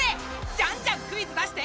じゃんじゃんクイズ出して！